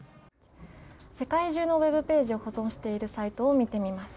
世界中のウェブページを保存しているサイトを見てみます。